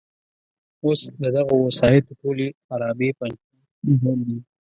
اوس د دغو وسایطو ټولې عرابې پنجر دي.